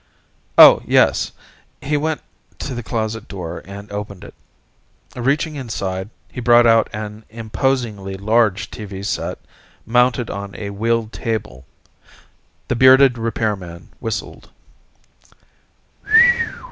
"Oh, yes." He went to the closet door and opened it. Reaching inside, he brought out an imposingly large TV set, mounted on a wheeled table. The bearded repairman whistled.